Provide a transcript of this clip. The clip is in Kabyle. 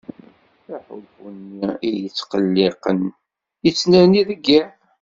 Aḥulfu-nni iyi-ittqelliqen yettnerni deg yiḍ.